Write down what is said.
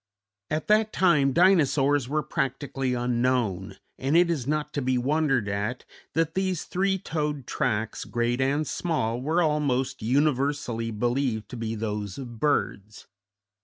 At that time Dinosaurs were practically unknown, and it is not to be wondered at that these three toed tracks, great and small, were almost universally believed to be those of birds.